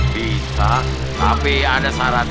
bisa tapi ada saran